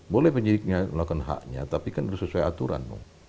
boleh penyidik melakukan haknya tapi kan sesuai aturan